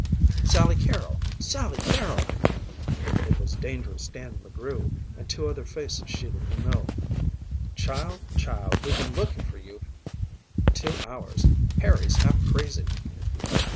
"Sally Carrol! Sally Carrol!" It was Dangerous Dan McGrew; and two other faces she didn't know. "Child, child! We've been looking for you two hours! Harry's half crazy!"